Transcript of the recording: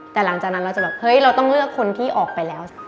แต่หลังจากนั้นเราจะแบบเฮ้ยเราต้องเลือกคนที่ออกไปแล้ว